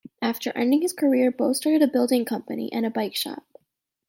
After ending his career, Bo started a building company, and a bike shop.